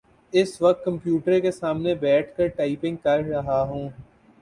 اس وقت کمپیوٹر کے سامنے بیٹھ کر ٹائپنگ کر رہا ہوں۔